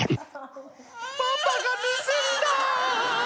「パパが盗んだ！」